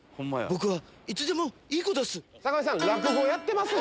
僕はいつでもいい子だす」。